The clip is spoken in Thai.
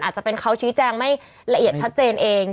อาจจะเป็นเขาชี้แจงไม่ละเอียดชัดเจนเอง